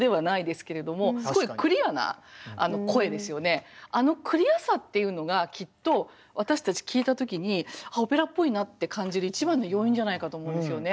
まあ確かにあのクリアさっていうのがきっと私たち聴いた時に「オペラっぽいな」って感じる一番の要因じゃないかと思うんですよね。